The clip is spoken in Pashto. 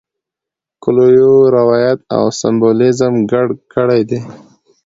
کویلیو روایت او سمبولیزم ګډ کړي دي.